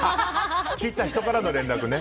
切った人からの連絡ね。